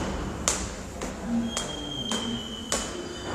Mu tana nu.